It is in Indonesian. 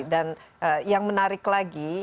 dan yang menarik lagi